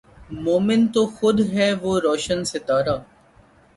مومن تو خود ھے وہ روشن ستارا